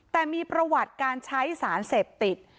แต่มีประวัติการใช้สารเสพติด